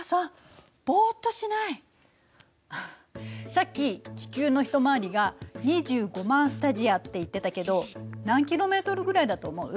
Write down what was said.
さっき地球の一回りが２５０，０００スタジアって言ってたけど何キロメートルぐらいだと思う？